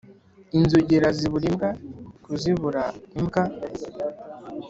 inzogera zibura imbwa (kuzibura imbwa)